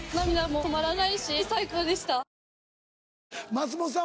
松本さん